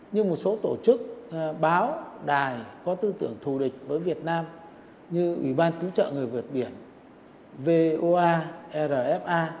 như một số tổ chức báo đài có tư tưởng thù địch với việt nam như ủy ban cứu trợ người vượt biển voa rfa